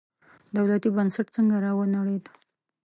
دولتي بنسټ څنګه راونړېد.